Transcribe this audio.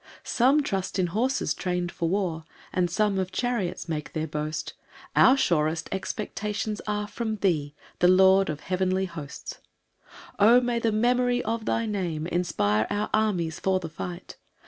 5 Some trust in horses train'd for war, And some of chariots make their boast; Our surest expectations are From thee, the Lord of heavenly hosts. 6 [O! may the memory of thy name Inspire our armies for the fight!